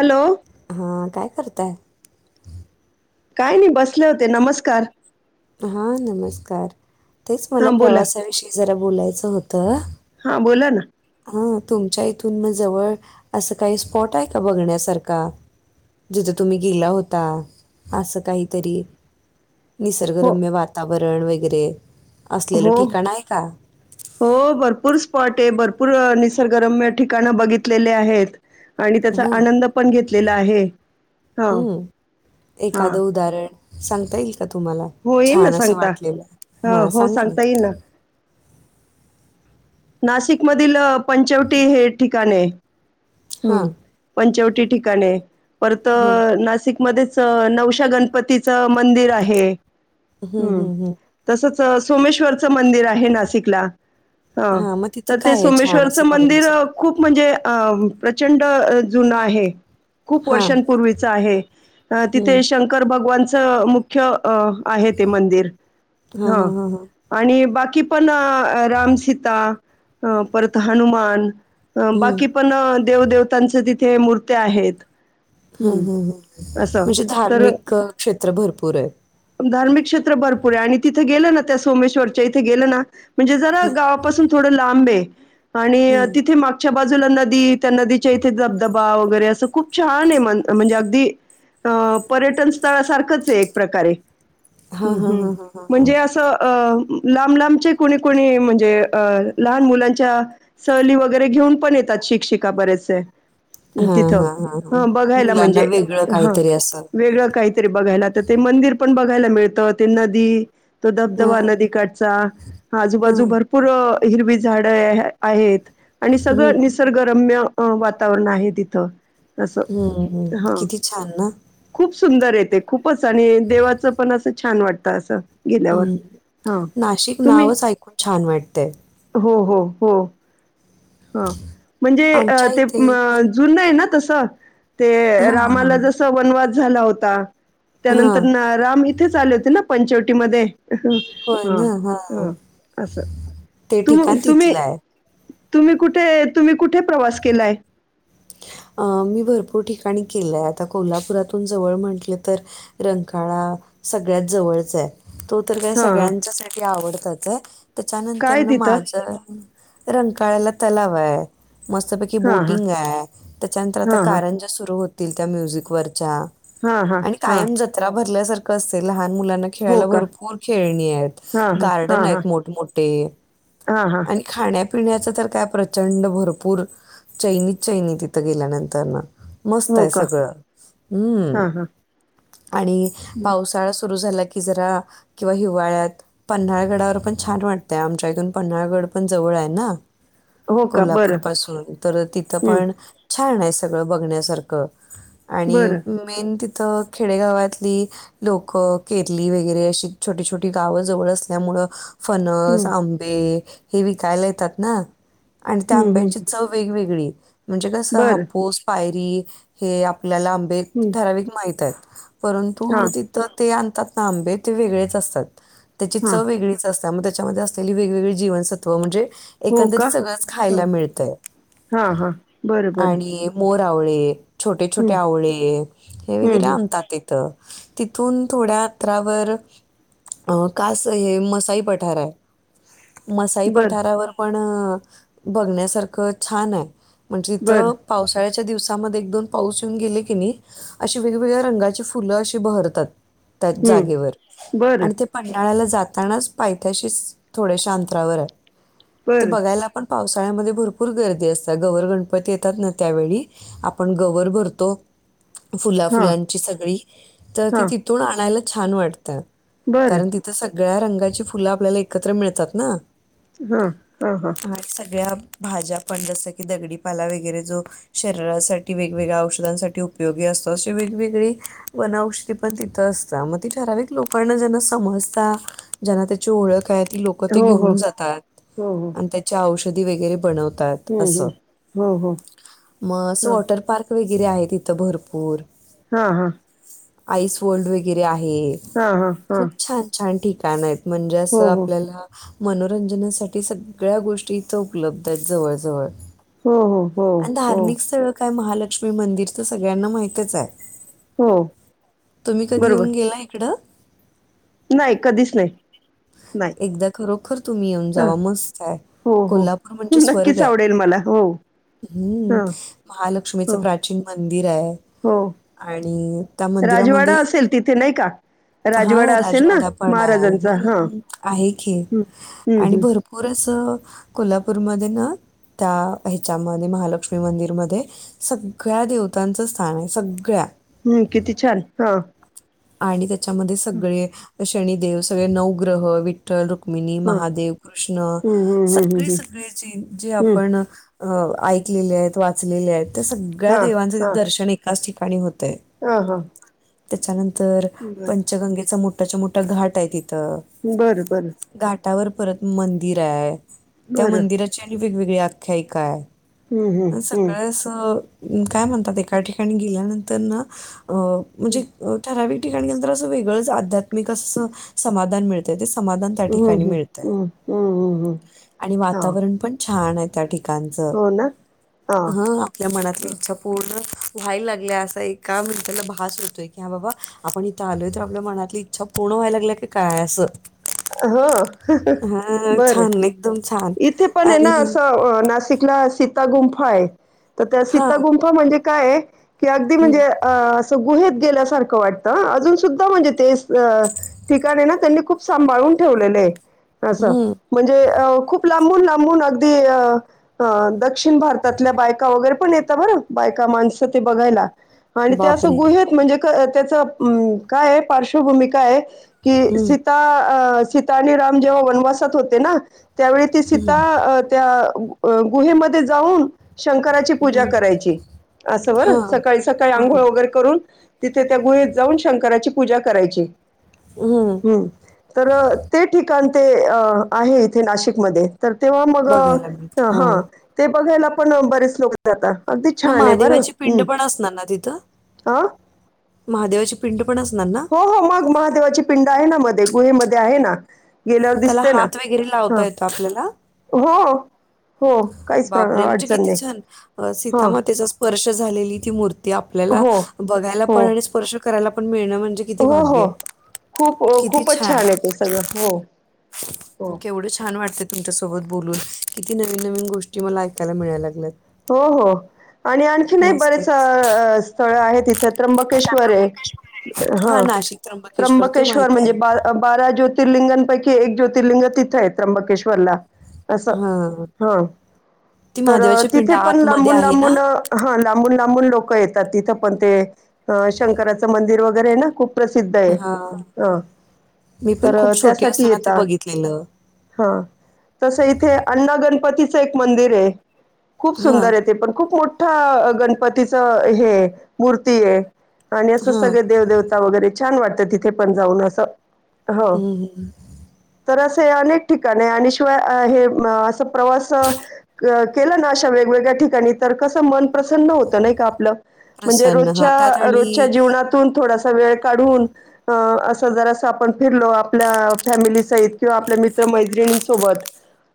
Hello.. हां काय करताय? काय नाही बसले होते नमस्कार हा नमस्कार तेच मला हां बोला प्रवासाविषयी जरा बोलायचं होतं. हा बोला ना, हा तुमच्या इथून मग जवळ असं काही स्पॉट आहे का बघण्यासारखा. जिथं तुम्ही गेला होता असं काहीतरी हो निसर्गरम्य वातावरण वगैरे असलेलं हो ठिकाण आहे का? हो भरपूर स्पॉट आहे. भरपूर निसर्गरम्य ठिकाण बघितलेले आहेत. आणि त्याचा हां, आनंद पण घेतलेला आहे. हां हम्म हां एखादं उदाहरण सांगता येईल का तुम्हाला? हो येईल ना छान असं सांगता वाटलेलं हां हा हो सांगा ना सांगता येईल नाशिक मधील पंचवटी हे ठिकाण आहे हम् हां, पंचवटी ठिकाण आहे परत हां अ, नाशिकमध्येच नवशा गणपतीच मंदिर आहे. हं, हं, हं. तसच सोमेश्वरचं मंदिर आहे नाशिकला. हा हां, मग तिथं तर ते काय आहे छान असं सोमेश्वरचं मंदिर, बघण्यासारखं? खूप म्हणजे अ प्रचंड जुनं आहे. खूप हां. वर्षांपूर्वीच आहे हं. तिथे शंक कर भगवानच मुख्य आहे ते मंदिर हां, ह हां, हां, हां. आणि बाकी पण रामसीता, परत हनुमान अ हं. बाकी पण देवदेवतांचे तिथे मूर्त्या आहेत. हा हं, ह ह असं. म्हणजे तर धार्मिक क्षेत्र भरपूर आहेत. धार्मिक क्षेत्र भरपूर आहे आणि तिथे गेलं ना त्या सोमेश्वरच्या इथे गेलं ना म्हणजे जरा गाव पासून लांब आणि तिथे मागच्या बाजूला नदी त्या नदीच्या इथे दबधबा वगैरे असं खूप छान आहे म्हणजे अगदी. अ पर्यटन स्थळ सारखंच आहे एक प्रकारे. हां, हम् हां, हम् हां, हां, हां, हां. म्हणजे असं अ लांब लांबचे कोणी कोणी म्हणजे अ लहान मुलांच्या सहली वगैरे घेऊन पण येतात शिक्षिका बरेचसे हां, तिथं हां, हां, हां. हा बघायला मुलांना म्हणजे वेगळं हा काहीतरी असं. वेगळं काही तरी बघायला तर ते मंदिर पण बघायला मिळतं ते नदी तो धबधबा हां, नदीकाठचा हां. आजूबाजू भर पूर हिरवी झाडं आहेत आणि हं. सगळं निस सर्ग रम्य वातावरण आहे तिथ अस हं, हं. हा किती छान ना? खूप सुंदरय ते खूपच आणि देवाचं पण असं छान वाटतं असं गेल्यावर हम्म हां नाशिक तुम्ही नावच ऐकून छान वाटतय हो हो हो ह म्हणजे आमच्या ते इथे पण जुनंय ना तसं ते हां, हां. रामाला जस वनवास झाला होता त्या हां. नंतर ना राम इथेच आले होते ना पंचवटी मध्ये होय हा ना? हां. ह असं ते तुम ठिकाण तुम्ही तिथलं आहे. तुम्ही कुठे तुम्ही कुठे प्रवास केलाय? अ मी भरपूर ठिकाणी केलाय आता कोल्हापुरातून जवळ म्हटलं तर रंकाळा सगळ्यात जवळचाय तो तर काय हा हा सगळ्यांच्या साठी आवडतच आहे काय त्याच्यानंतरन तिथं माझ्या रंकाळ्याला तलावाय मस्तपैकी हा हा बोटिंगाय त्याच्यानंतर आता हा हा कारंज्या सुरू होतील त्या म्युझिक वरच्या हा हा आणि हा कायम ज ञा भरल्यासारखं असतय लहान मुलांना हो खेळाला का भरपूर खेळणीयत हा हा हा हा गार्डनयत मोठमोठे हा हा आणि खाण्यापिण्याचं तर काय प्रचंड भरपूर चैनीत चैनी तिथं गेल्यानंतर नं हो मस्तय का सगळं हम्म हा हा आणि पावसाळा सुरू झाला की जरा किंवा हिवाळ्यात पन्हाळगडावर पण छान वाटतय आमच्या इथून पन्हाळगड पण जवळय ना हो का कोल्हापूर बरं पासून तर तिथं हं. पण छानय सगळं बघण्यासारखं आणि बरं मेन तिथं खेडेगावातली लोक केरली वगैरे अशी छोटी छोटी गावं जवळ असल्यामुळं फणस, हं. आंबे हे विकायला येतात ना आणि त्या हं, हं, आंब्यांची हं. चव वेगवेगळी म्हणजे कस बरं हापूस पायरी हे आपल्याला आंबे हं. ठरावीक माहितयत हा परंतु तर ते आणतात ना आंबे ते वेगळेच असतात त्याची हा चव वेगळी च असते मग त्याच्यामध्ये असलेली वेगवेगळी जीवनसत्व म्हणजे हो का एकंदरीत सगळंच खायला ह मिळतय हा हा बरं बरं आणि मोर आवळे छोटे छोटे हम्म आवळे हे वगैरे हम्म हम्म आणतात ते [unintelligible] तिथून थोड्या अंतरावर अ कास हे मसाई पठाराय मसाई बरं पठारावर पण बघण्यासारखं छानय म्हणजे थ बरं पावसाळ्याच्या दिवसामध्ये एक दोन पाऊस येऊन गेले की नाही अशी वेगवेगळ्या रंगाची फुलं अशी बहरतात त्याच हम्म जागेवर बरं आणि त्या पंन्हाळ्याला जातानाच पायथ्याशी थोडे्याश्या अंतरावरय ते बरं बघायला पण पावसाळ्यामध्ये भरपूर गर्दी असत्या गव्हर्न्मेंट पण ते येतात ना त्यावेळी आपण गवर भरतो फुला हा फुलांची सगळी तर ती हा तिथून आणायला छान वाटतं बरं कारण तिथं सगळ्या रंगाची फुलं आपल्याला एकत्र मिळतात ना हा हा हा ह सगळ्या भाज्या पण जसं की दगडीपाला वगैरे जो शरीरासाठी वेगवेगळ्या औषधांसाठी उपयोगी असतो अशे वेगवेगळे वन औषधी पण तिथ अस मग त ठराविक लोकांना ज समजता जना त्याची ओळख त ते हो हो घेऊन जातात हो हो आणि त्याच्या औषधी वगैरे बनवतात. हम्म असं हम् हो हो. मग असं ह वॉटर पार्क वगैरे आहे तिथं भरपूर. हा हा. आईस वल्ड वगैरे आहे हा हा हा खूप छान छान ठिकाण आहेत. म्हणजे हो असं हो आपल्याला. मनोरंजनासाठी सगळ्या गोष्टी इथं उपलब्ध आहेत जवळजवळ. हो हो. आणि हो धार्मिक स्थळ काय महालक्ष्मी मंदिर तर सगळ्यांना माहितच आहे. हो तुम्ही कधी बरोबर येऊन गेला इकडं. नाही कधीच नाही. नाही एकदा खरोखर तुम्ही येऊन हा जावा मस्त आहे. हो हो कोल्हापूर म्हणजे स्वर्ग नक्कीच आहे आवडेल मला हो हम्म ह महालक्ष्मीच प्रा हो प्रचिन मंदिर आहे. हो. आणि. त्या राजवाडा मंदिरामध्ये असेल तिथे नाही का? हा राजवाडा असेल ना राजवाडा पण आहे. महाराजांचा हां. हं, आहे हे हं, हं, आणि हं, भरपूर असं कोल्हापूरमध्ये ना. त्या ह्याच्यामध्ये महालक्ष्मी मंदिरमध्ये सगळ्या देवतांचं स्थान आहे सगळ्या. हम्म किती छान हा. आणि त्याच्यामध्ये सगळे शनिदेव सगळे नवग्रह विठ ् रुक्मिणी हां. महादेव कृष्ण हं, हं, हं, हं, सगळे हं. सगळे जे जे हं. आपण. अ ऐकलेले आहेत वाचलेले आहेत त्या सगळ्या हां, देवांचं दर्शन एकाच ठिकाणी होतय. ह हा. त्याच्यानंतर पंचगंगेचा मोठ्याच्या मोठा घाट आहे तिथं. बरं बरं. घाटावर परत मंदिर आहे त्या बरं. मंदिराची आणि वेगवेगळी आख्यायिका आहे. हं, हं, हं. सकाळ अस काय म्हणतात एका ठिकाणी गेल्यानंतर ना. अ म्हणजे हं, ठराविक ठिकाणी नंतर असं वेगळंच आध्यात्मिक अस समाधान मिळत. ते समाधान त्या हं, ठिकाणी हं, मिळत आहे हं, हं, हं, हं. आणि हां. वातावरण पण छान आहे. त्या ठिकाणच हो ना? हां, ह या मनातली हां. इच्छा पूर्ण व्हायला लागल्या असा एका मन्र्याला भास होतोय की हा बाबा. आपण इथं आलोय तर आपल्या मनातली इच्छा पूर्ण व्हायला लागल की काय असं. हो हां, बर छान. एकदम छान. इथे पण आहे आणि ना अस नाशिक. तिकला सीता गुंफा आहे तर त्या हां. सीता गुंफा म्हणजे काय की अगदी म्हणजे. हं, अ असं गुहेत गेल्यासारखं वाटतं अजून सुद्धा म्हणजे ते ठिकाणी ना त्यांनी. खूप सांभाळून ठेवलेलं आहे असं. हं. म्हणजे अ खूप लांबून लांबून अगदी अ अं दक्षिण भारतातल्या बायका वगैरे पण येत बरं बायका माणसं ते बघायला. आणि ते असं बापरे! गुहेत म्हणजे त्याच कायय पार्श्वभूमी का आहे की. हं, सीता आणि राम जेव्हा वनवासात होते ना त्यावेळी ती हं, सीता. त्या गुहेमध्ये जाऊन. शंकराची पूजा हं. करायची अस बर हां, सकाळी सकाळी हां. आंघोळ वगैर. करून तिथे त्या गुळीत जाऊन शंकराची पूजा करायची. [inaudible] ह् तर ते ठिकाण ते आहे इथे नाशिकमध्ये तर तेव्हा मग बघायला मिळते. हा हां. ते बघायला पण बरेच लोक. अगदी मग छान आहे महादेवाची बरंम् पिंड पण असणार ना तिथं? हा. महादेवाची पिंड पण असणार ना. हो हो मग महादेवाची पिंड आहे ना मध्ये गुहेमध्ये आहे ना. गेल्यावर म त्याला दिसते ना. हात वगैरे हां. लावता येतो आपल्याला हो हो काहीच प्र बापरे म्हणजे अडचण किती नाही. छान हां. सीतामातेचा स्पर्श झालेली ती मूर्ती. ते आपल्याला हो, बघायला हो, पण आणि स्पर्श करायला पण मिळण म्हणजे किती हो हो भाग्य. खूप खूपच छान आहे ते सगळं हो. हो. केवढं छान वाटत. तुमच्यासोबत बोलून किती नवीन नवीन गोष्टी मला ऐकायला मिळायला लागल्यात हो हो आणि आणखी नाही मस्त बरेच स्थळ आहेत तिथे त्र्यंबकेश्वर आहे हा नाशिक ते त्र्यंबकेश्वर माहित म्हणजे आहे ब बारा ज्योतिर्लिंगांपैकी एक ज्योतिर्लिंग तिथं आहेत त्र्यंबकश्वरला. असं हा ती तर महादेवाच्या पिंड तिथे पण आतमध्ये लांबून आहे ना लांबून. हा लांबून लांबून लोक येतात तिथं पण ते शंकराचं मंदिर वगैरे आहे ना खूप प्रसिद्ध आहे हा अ मी पण तर खूप छोटी त्यासाठी असताना ते येेतात. बघितलेलं हा तसं इथे अण्णा गणपतीचं एक मंदिर आहे. खूप हा सुंदर आहे ते पण खूप मोठा गणपतीच हे मूर्ती आहे. आणि असं हा सगळे देवदेवता वगैरे छान वाटतं तिथे पण जाऊन असं. हो हम्म. तर असे अनेक ठिकाण आहे आणि शिवाय हे असं प्रवास. अ केलं ना अशा वेगवेगळ्या ठिकाणी तर कसं मन प्रसन्न होतं नाही का आपलं. म्हणजे प्रसन्न हा रोजच्या त्यात रोजच्या आणि जीवनातून थोडासा वेळ काढून. अ असं जरास आपण फिरलो आपल्या फॅमिली सहित किंवा आपल्या मित्र मैत्रिणींसोबत.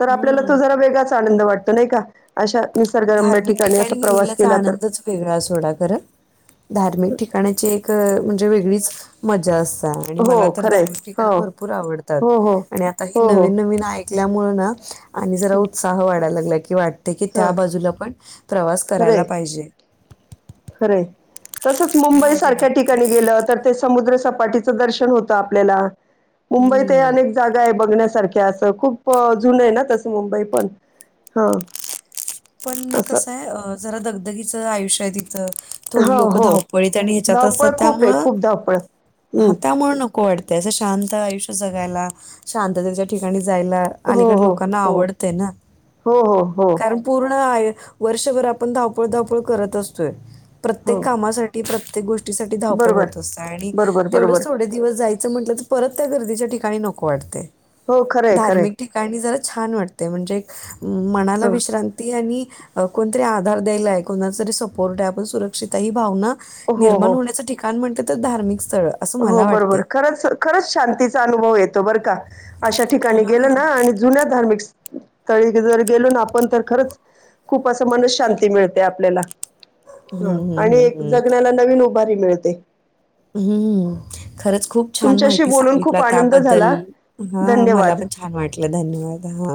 तर आपल्याला तो हम्म जरा वेगळाच आनंद वाटतो नाही का अशा निसर्गरम्य धार्मिक ठिकाणी असा प्रवास गेलेल्याचा केला तर आनंदच वेगळा सोडा करत धार्मिक ठिकाणाची एक म्हणजे वेगळीच. मजा असत आणि मला हो, तर खरं आहे. धार्मिक ठिकाण हो. भरपूर आवडतात हो, हो. आणि आता ही हो, हो. नवीन नवीन यामुळे न आणि जरा हं. उत्साह वाढायला लागला की वाटत की त्या हां, बाजूला पण प्रवास करायला पाहिजे खरे तसंच मुंबई हा सारख्या जेणेकरून ठिकाणी गेलं तर समुद्र सपाटीच दर्शन होत आपल्याला मुंबईत अ हम्म. जागा आहे बघण्यासारख्या असं खूप जुन आहे ना तसं मुंबई पण हा. पण असं कसं आहे जरा दगधगीचं आयुष्य तिथं. थोडी हो लोक हो धावपळीत आणि ह्याच्यात धावपळ असतात खूप आहे त्यामुळं खूप धावपळ हा हम्म त्यामुळ नको. खूप आवाडते असं शांत आयुष्य जगायला शांततेच्या ठिकाणी जायला. हो अलीकड हो लोकांना हो आवडतेय ना हो हो हो कारण. पूर्ण वर्षभर आपण धावपळ धावपळ करत असतोय हो प्रत्येक कामासाठी. प्रत्येक गोष्टीसाठी धावपळ बरोबर होत असत आणि बरोबर तेवढ बरोबर थोडे दिवसय. म्हट परत त्या गर्दीच्या ठिकाणी नको वाटते हो खरं आहे खरं आहे धार्मिक ठिका. जरा छान वाटते म्हणजे मनाला हां विश्रांती. ती आणि कोणतरी आधार द्यायला आहे कोणा तरी सपोर्ट आहे आपण सुरक्षित आहे ही भावना. हो निर्माण हो होण्याचं ठिकाण म्हणत तर धार्मिक स्थळ. असं हो मला बरोबर वाटतंय. खरंच खरंच शांतीचा अनुभव येतो बरं का अशा ठिकाणी गेल हां. ना आणि जुन्या धार्मिक स्थळी जर गेलो ना आपण तर खरंच. खूप मन शांती मिळते आपल्याला हं, ह आणि हं, हं, हं. जगण्याला नवीन बरी मिळते. हम्म खरंच खूप छान तुमच्याशी माहिती बोलून खूप सांगितला आनंद त्याबद्दल झाला. हा मला धन्यवाद. पण छान वाटलं धन्यवाद हा.